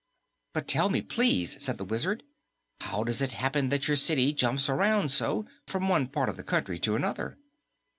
"But tell me, please," said the Wizard, "how does it happen that your city jumps around so, from one part of the country to another?"